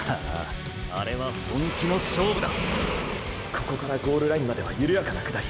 ここからゴールラインまでは緩やかな下り。